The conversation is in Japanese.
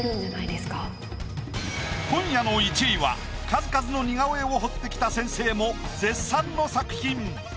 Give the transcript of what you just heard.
今夜の１位は数々の似顔絵を彫ってきた先生も絶賛の作品。